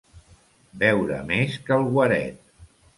Beure més que el guaret.